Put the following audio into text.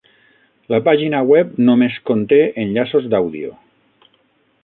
La pàgina web només conté enllaços d'àudio.